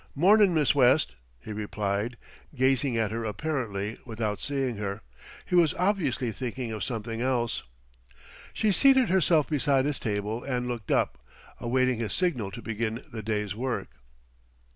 "Mornin', Miss West," he replied, gazing at her apparently without seeing her. He was obviously thinking of something else. She seated herself beside his table and looked up, awaiting his signal to begin the day's work.